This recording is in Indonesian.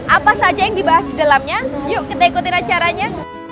apa saja yang dibahas di dalamnya yuk kita ikutin acaranya